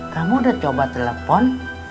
kamu udah coba telepon